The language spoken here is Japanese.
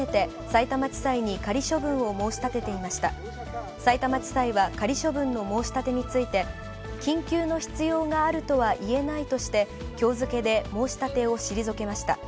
さいたま地裁は、仮処分の申し立てについて、緊急の必要があるとはいえないとして、きょう付で申し立てを退けました。